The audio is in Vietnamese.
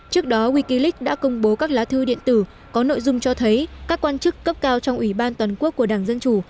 trước đó wikileak đã công bố các lá thư điện tử có nội dung cho thấy các quan chức cấp cao trong ủy ban toàn quốc của đảng dân chủ